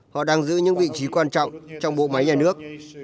họ đang giữ những vị trí quan trọng trong bộ máy nhà nước